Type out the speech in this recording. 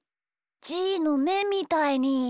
じーのめみたいに。